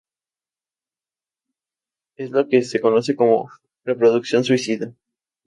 Es lo que se conoce como reproducción suicida.